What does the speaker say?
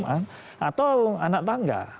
atau anak tangga